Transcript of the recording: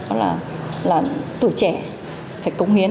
đó là tuổi trẻ phải cống hiến